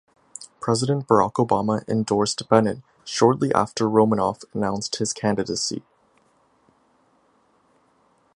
President Barack Obama endorsed Bennet shortly after Romanoff announced his candidacy.